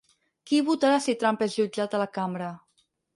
Qui votarà si Trump és jutjat a la cambra?